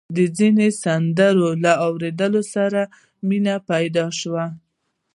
د ځينو سندرو له اورېدو سره يې مينه پيدا شوه.